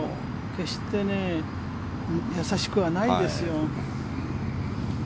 決して易しくはないですよ。